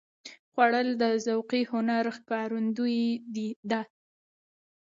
خوړل د ذوقي هنر ښکارندویي ده